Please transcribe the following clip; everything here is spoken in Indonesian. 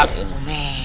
ya ampun mes